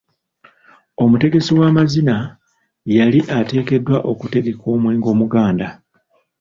Omutegesi w'amazina yali ateekeddwa okutegeka omwenge omuganda.